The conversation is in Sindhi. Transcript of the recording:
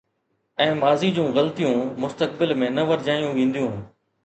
۽ ماضي جون غلطيون مستقبل ۾ نه ورجايون وينديون.